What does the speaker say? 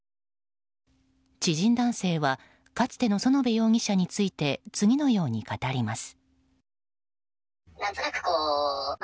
知人男性はかつての園部容疑者について次のように語ります。